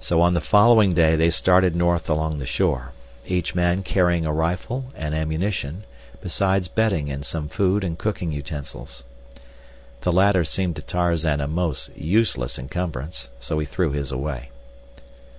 So on the following day they started north along the shore. Each man carrying a rifle and ammunition, beside bedding and some food and cooking utensils. The latter seemed to Tarzan a most useless encumbrance, so he threw his away.